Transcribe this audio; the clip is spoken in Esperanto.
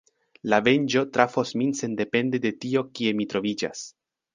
La venĝo trafos min sendepende de tio kie mi troviĝas.